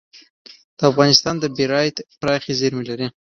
افغانستان د بیرایت پراخې زیرمې لري.